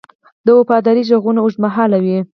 د وفادارۍ ږغونه اوږدمهاله وي.